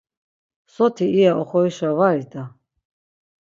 Soti iya oxorişa var ida.